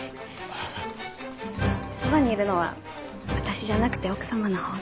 そばにいるのは私じゃなくて奥様のほうが。